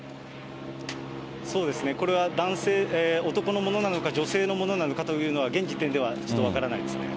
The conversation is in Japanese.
これは男のものなのか、女性のものなのかというのは、現時点ではちょっと分からないですね。